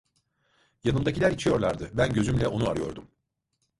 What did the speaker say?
Yanımdakiler içiyorlardı, ben gözümle onu arıyordum.